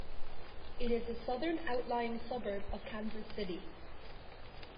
It is a southern outlying suburb of Kansas City.